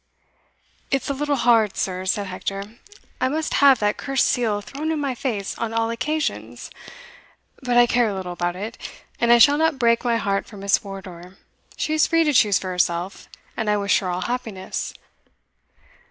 "It's a little hard, sir," said Hector, "I must have that cursed seal thrown into my face on all occasions but I care little about it and I shall not break my heart for Miss Wardour. She is free to choose for herself, and I wish her all happiness."